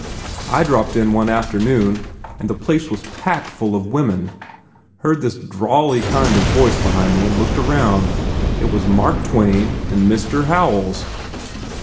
I dropped in one afternoon and the place was packed full of women. Heard this drawly kind of voice behind me and looked round. It was Mark Twain and Mr. Howells.